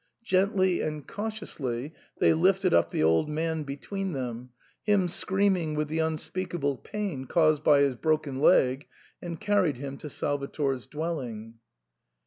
Gently and cautiously they lifted up the old man between them, him screaming with the unspeakable pain caused by his broken leg, and carried him to Salvator's dwelling.